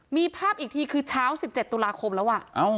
มีภาพอีกทีคือเช้า๑๗ตุลาคมแล้ว